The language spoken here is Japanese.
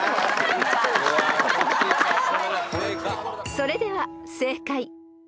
［それでは正解］